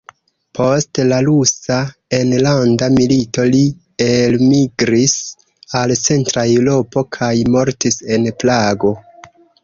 Post la Rusa Enlanda Milito li elmigris al Centra Eŭropo kaj mortis en Prago.